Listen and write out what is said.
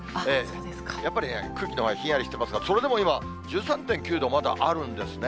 やっぱりね、空気のほうはひんやりしてますが、それでも今、１３．９度、まだあるんですね。